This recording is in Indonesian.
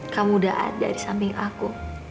kamu udah ada di samping aku